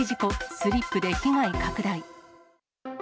スリップで被害拡大。